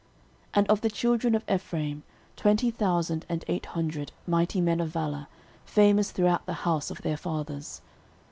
13:012:030 And of the children of Ephraim twenty thousand and eight hundred, mighty men of valour, famous throughout the house of their fathers.